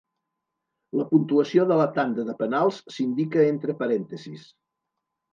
La puntuació de la tanda de penals s'indica entre parèntesis.